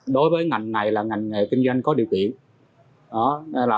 đối với ngành này là ngành nghề kinh doanh có điều kiện